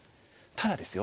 ただですよ